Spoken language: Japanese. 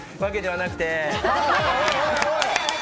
わけではなくて。